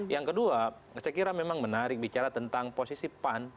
yang kedua saya kira memang menarik bicara tentang posisi pan